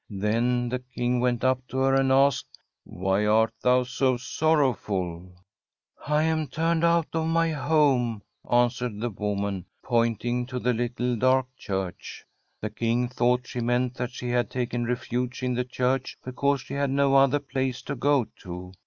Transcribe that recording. Then the King went up K^ her and asked: *\Vhv art thou so sorrowful?* SIGRID STORRADE ' I am turned out of my home/ answered the woman, pointing to the httle dark church. The King thought she meant that she had taken refuge in the church because she h^d no other place to go to.